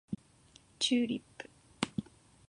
チューリップ